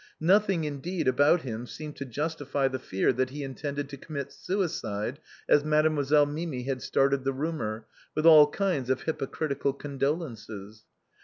Nothing, indeed, about him seemed to justify the fear that he intended to commit suicide, as Mademoiselle Mimi had started the rumor, with all kinds of hypocritical condolences.